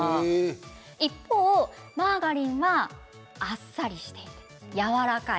一方マーガリンはあっさりしていてやわらかい。